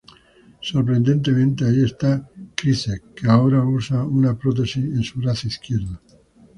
Sorprendentemente ahí está Krycek que ahora usa una prótesis en su brazo izquierdo.